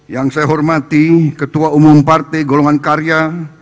yang saya hormati ketua umum partai golongan karya